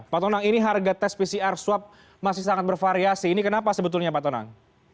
pak tonang ini harga tes pcr swab masih sangat bervariasi ini kenapa sebetulnya pak tonang